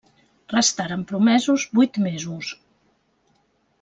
Restaren promesos vuit mesos.